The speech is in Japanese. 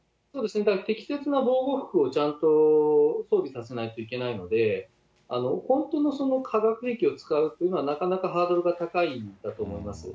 適切な防護服をちゃんと装備させないといけないので、本当の化学兵器を使うというのはなかなかハードルが高いんだと思います。